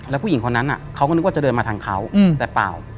แล้วผู้หญิงคนนั้นเขาก็นึกว่าจะเดินมาทางเขาแต่เปล่า